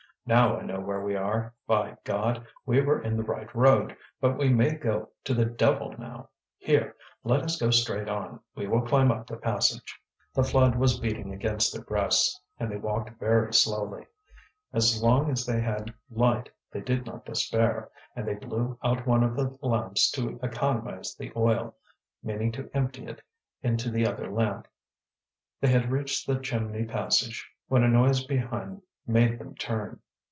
"Now I know where we are. By God! we were in the right road; but we may go to the devil now! Here, let us go straight on; we will climb up the passage." The flood was beating against their breasts, and they walked very slowly. As long as they had light they did not despair, and they blew out one of the lamps to economize the oil, meaning to empty it into the other lamp. They had reached the chimney passage, when a noise behind made them turn.